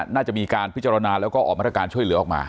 น่าจะมีการพิจารณาแล้วก็ออกมาตรการช่วยเหลือออกมา